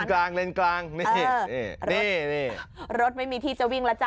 กลางเลนกลางนี่นี่รถไม่มีที่จะวิ่งแล้วจ้